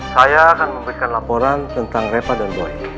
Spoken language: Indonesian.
saya akan memberikan laporan tentang repa dan buaya